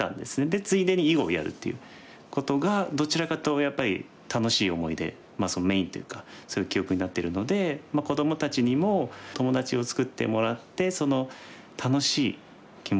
でついでに囲碁をやるっていうことがどちらかというとやっぱり楽しい思い出そのメインというかそういう記憶になってるのでさてカンカン先生の力強い味方からメッセージです。